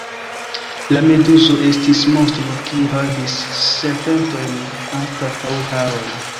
La Meduzo estis monstro, kiu havis serpentojn anstataŭ harojn.